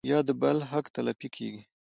يا د بل حق تلفي کيږي